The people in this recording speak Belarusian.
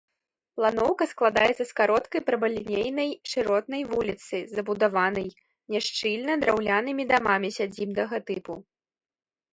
Планоўка складаецца з кароткай прамалінейнай шыротнай вуліцы, забудаванай няшчыльна драўлянымі дамамі сядзібнага тыпу.